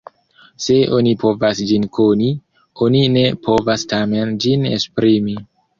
Se oni povas ĝin koni, oni ne povas tamen ĝin esprimi.